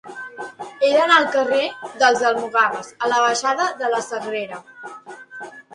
He d'anar del carrer dels Almogàvers a la baixada de la Sagrera.